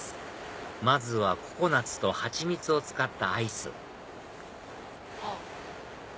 まずはココナツと蜂蜜を使ったアイスあっ。